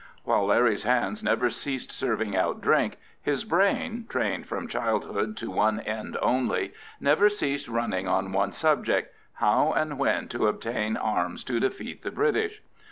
While Larry's hands never ceased serving out drink, his brain—trained from childhood to one end only—never ceased running on one subject, how and when to obtain arms to defeat the British.